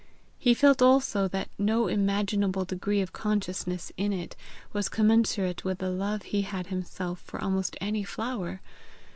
He felt also that no imaginable degree of consciousness in it was commensurate with the love he had himself for almost any flower.